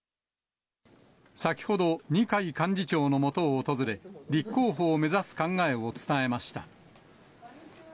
先ほど、二階幹事長の元を訪れ、立候補を目指す考えを伝えました。